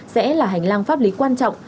sẽ là hành lang pháp lý quan trọng